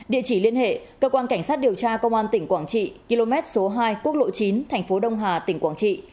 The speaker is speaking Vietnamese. địa chỉ liên hệ cơ quan cảnh sát điều tra công an tỉnh quảng trị km số hai quốc lộ chín thành phố đông hà tỉnh quảng trị